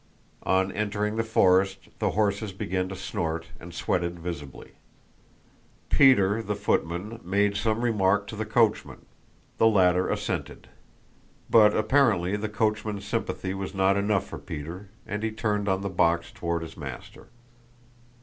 On entering the forest the horses began to snort and sweated visibly. Peter the footman made some remark to the coachman; the latter assented. But apparently the coachman's sympathy was not enough for Peter, and he turned on the box toward his master.